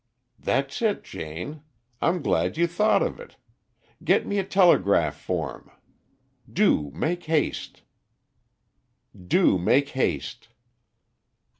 "That's it, Jane; I'm glad you thought of it. Get me a telegraph form. Do make haste."